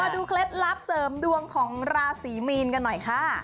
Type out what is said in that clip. เคล็ดลับเสริมดวงของราศีมีนกันหน่อยค่ะ